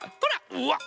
うわっ！